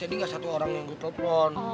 jadi gak satu orang yang gue telepon